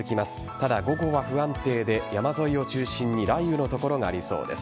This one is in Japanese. ただ、午後は不安定で山沿いを中心に雷雨の所がありそうです。